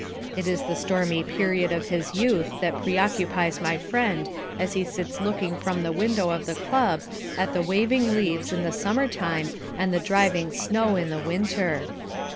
It is the stormy period of his youth that preoccupies my friend as he sits looking from the window of the club at the waving leaves in the summer time and the driving snow in the winter.